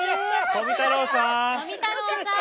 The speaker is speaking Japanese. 富太郎さん。